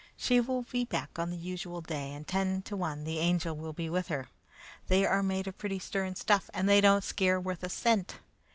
She will be back on the usual day, and ten to one, the Angel will be with her. They are made of pretty stern stuff, and they don't scare worth a cent.